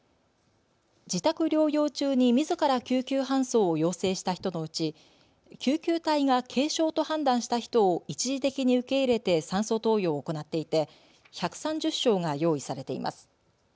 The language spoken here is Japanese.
自宅療養中にみずから救急搬送を要請した人のうち救急隊が軽症と判断した人を一時的に受け入れて酸素投与を行っていて１３０床が用意されています。